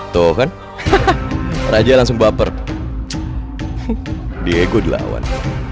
tohon raja langsung baper diego dilawan